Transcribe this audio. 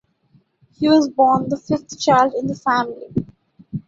He was born the fifth child in the family.